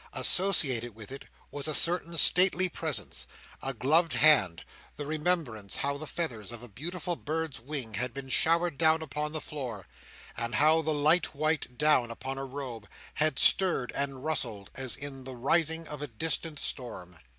Associated with it was a certain stately presence, a gloved hand, the remembrance how the feathers of a beautiful bird's wing had been showered down upon the floor, and how the light white down upon a robe had stirred and rustled, as in the rising of a distant storm.